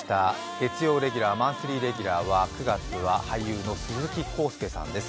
月曜マンスリーレギュラーは９月は俳優の鈴木浩介さんです。